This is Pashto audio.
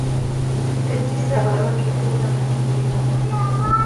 ته چي صبر کوې ټوله مجبوري ده